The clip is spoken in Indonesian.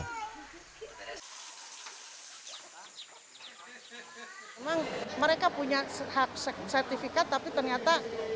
memang mereka punya hak sertifikat tapi ternyata